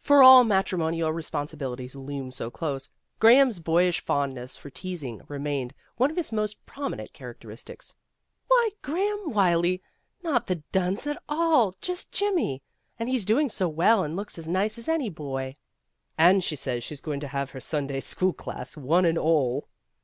For all matrimonial responsibilities loomed so close, Graham's boyish fondness for teasing remained one of his most prominent char acteristics. ''Why, Graham Wylie! Not the Dunns at all. Just Jimmy ! And he 's doing so well and looks as nice as any boy." "And she says she's going to have her Sunday school class, one and all."